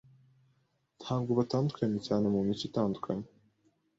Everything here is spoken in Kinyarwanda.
Ntabwo batandukanye cyane mumico itandukanye.